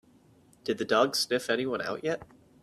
Did the dog sniff anyone out yet?